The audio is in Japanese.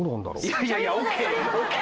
いやいやいやＯＫＯＫ